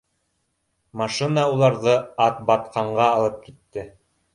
Машина уларҙы Атбатҡанға алып китте